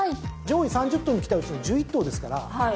上位３０頭に来たうちの１１頭ですから。